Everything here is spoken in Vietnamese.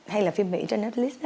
hay là phim mỹ trên netflix